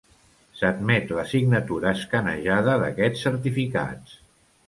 S'admet la signatura escanejada d'aquests certificats.